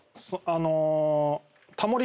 あの。